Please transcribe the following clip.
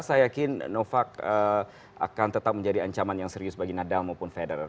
saya yakin novac akan tetap menjadi ancaman yang serius bagi nadal maupun feder